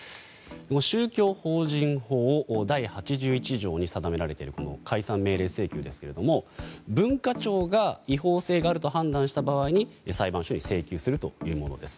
宗教法人法第８１条に定められている解散命令請求ですが文化庁が違法性があると判断した場合に裁判所に請求するというものです。